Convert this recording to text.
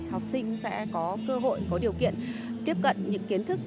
học sinh sẽ có cơ hội có điều kiện tiếp cận những kiến thức